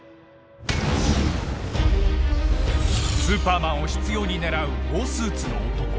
スーパーマンを執拗に狙うウォースーツの男